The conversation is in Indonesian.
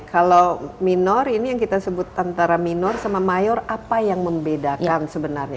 kalau minor ini yang kita sebut antara minor sama mayor apa yang membedakan sebenarnya